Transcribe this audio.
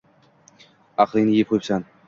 Aqlingni eb qo`yibsan